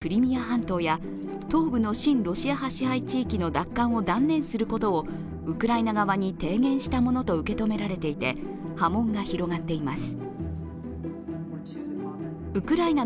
２０１４年にロシアが一方的に併合したクリミア半島や東部の親ロシア派支配地域の奪還を断念することをウクライナ側に提言したものと受け止められていて、波紋が広がっています。